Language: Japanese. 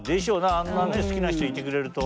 あんなね好きな人いてくれると。